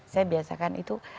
saya biasakan itu